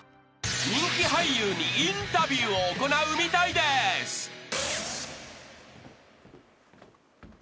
［人気俳優にインタビューを行うみたいです］